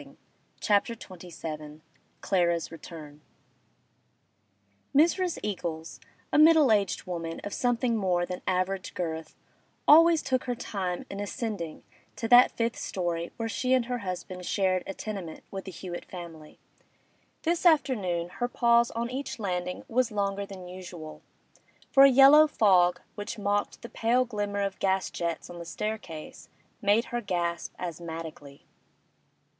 CHAPTER XXVII CLARA'S RETURN Mrs. Eagles, a middle aged woman of something more than average girth, always took her time in ascending to that fifth storey where she and her husband shared a tenement with the Hewett family. This afternoon her pause on each landing was longer than usual, for a yellow fog, which mocked the pale glimmer of gas jets on the staircase, made her gasp asthmatically.